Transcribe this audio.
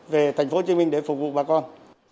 về thành phố hồ chí minh để phục vụ bà con